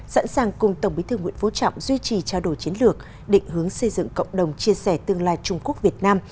sẵn sàng cùng tổng bí thư nguyễn phú trọng duy trì trao đổi chiến lược định hướng xây dựng cộng đồng chia sẻ tương lai trung quốc việt nam